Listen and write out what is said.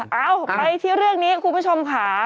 เอาไปที่เรื่องนี้คุณผู้ชมค่ะ